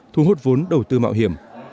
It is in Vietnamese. thu hút vốn đầu tư mạo hiểm